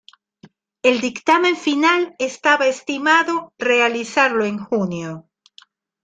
El dictamen final estaba estimado realizarlo en junio.